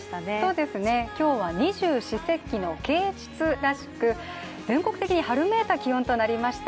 そうですね、今日は二十四節気の啓蟄らしく全国的に春めいた気温となりました。